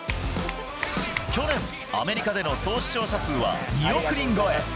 去年、アメリカでの総視聴者数は２億人超え。